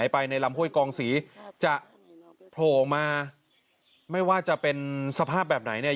ไปในลำห้วยกองศรีจะโผล่ออกมาไม่ว่าจะเป็นสภาพแบบไหนเนี่ย